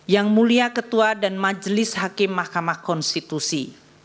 yang mulia ketua dan majelis hakim mahkamah konstitusi